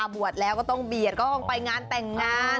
บวชแล้วก็ต้องเบียดก็ต้องไปงานแต่งงาน